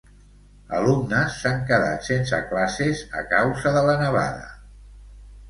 Alumnes s'han quedat sense classes a causa de la nevada.